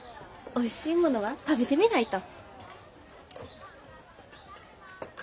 おいしいものは食べてみないと。